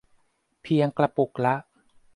เพียงกระปุกละ